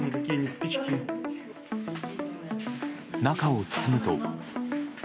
中を進むと。